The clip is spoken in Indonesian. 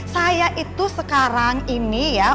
saya itu sekarang ini ya